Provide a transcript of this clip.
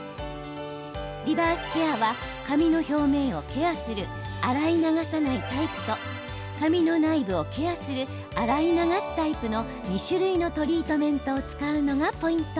リバースケアは髪の表面をケアする洗い流さないタイプと髪の内部をケアする洗い流すタイプの２種類のトリートメントを使うのがポイント。